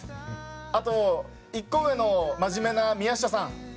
あと１個上の真面目な宮下さん